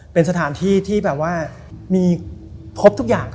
เป็นสถานที่ที่แบบว่ามีพบทุกอย่าง